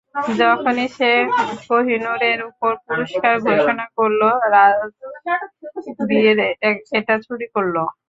যখনি সে কোহিনূর এর উপর পুরষ্কার ঘোষণা করলো, রাজবীর এটা চুরি করল।